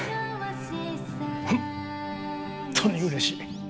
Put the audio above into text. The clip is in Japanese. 本当にうれしい。